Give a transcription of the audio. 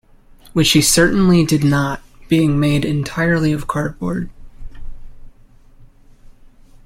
Which he certainly did not, being made entirely of cardboard.